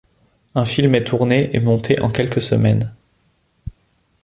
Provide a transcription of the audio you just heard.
Un film est tourné et monté en quelques semaines.